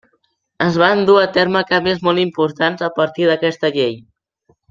Es van dur a terme canvis molt importants a partir d'aquesta Llei.